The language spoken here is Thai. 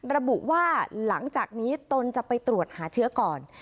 ระบุว่าหลังจากนี้ตนจะไปตรวจหาเชื้อก่อน